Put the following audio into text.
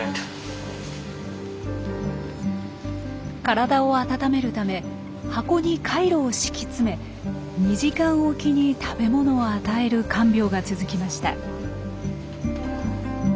体を温めるため箱にカイロを敷き詰め２時間おきに食べ物を与える看病が続きました。